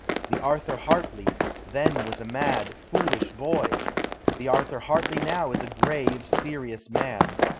The Arthur Hartley then was a mad, foolish boy. The Arthur Hartley now is a grave, serious man.